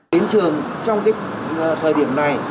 đến trường trong thời điểm này